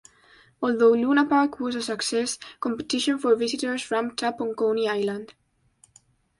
Although Luna Park was a success, competition for visitors ramped up on Coney Island.